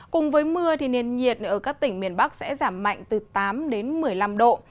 cùng với mưa nền nhiệt ở các tỉnh miền bắc sẽ giảm mạnh từ tám đến một mươi năm độ